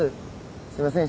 すいません。